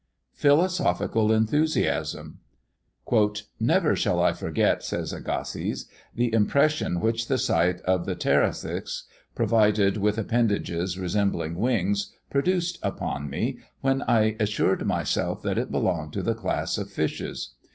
PHILOSOPHICAL ENTHUSIASM. "Never shall I forget," says Agassiz, "the impression which the sight of the Pterichthys, provided with appendages resembling wings, produced upon me, when I assured myself that it belonged to the class of fishes.